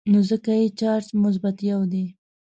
نو ځکه یې چارج مثبت یو دی.